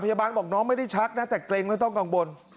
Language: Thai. พยาบาลบอกน้องไม่ได้ชักนะแต่เกรงไม่ต้องกล่องบน